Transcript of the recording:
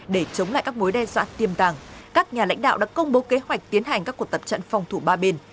để chống lại các mối đe dọa tiêm tàng các nhà lãnh đạo đã công bố kế hoạch tiến hành các cuộc tập trận phòng thủ ba bên